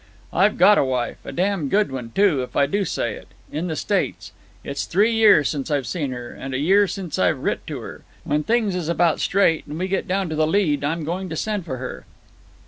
"I've got a wife a damned good one, too, if I do say it in the States. It's three year since I've seen her, and a year since I've writ to her. When things is about straight, and we get down to the lead, I'm going to send for her."